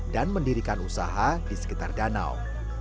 dan mendirikan usaha di sekitar danau